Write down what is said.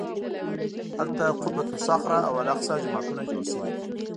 هلته قبة الصخره او الاقصی جوماتونه جوړ شوي.